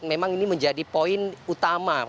memang ini menjadi poin utama